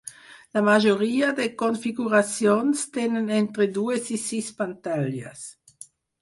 La majoria de configuracions tenen entre dues i sis pantalles.